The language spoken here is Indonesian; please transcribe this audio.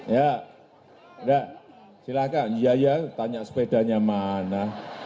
ya ya tanya sepedanya mana